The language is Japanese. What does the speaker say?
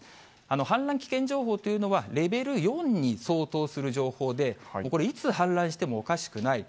氾濫危険情報というのは、レベル４に相当する情報で、これ、いつ氾濫してもおかしくないと。